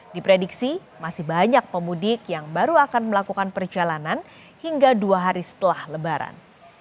diprediksi masih banyak pemudik yang baru akan melakukan perjalanan hingga dua hari setelah lebaran